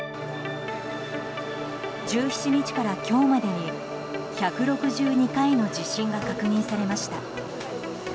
１７日から今日までに１６２回の地震が確認されました。